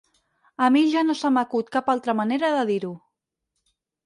A mi ja no se m'acut cap altra manera de dir-ho.